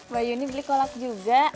ma'am ini beli kolak juga